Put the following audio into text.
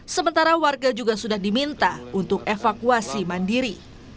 sementara warga juga sudah diminta untuk evakuasi mandiri